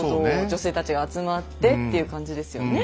女性たちが集まってっていう感じですよね。